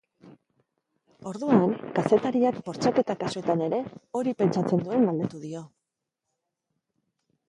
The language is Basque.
Orduan, kazetariak bortxaketa kasuetan ere hori pentsatzen duen galdetu dio.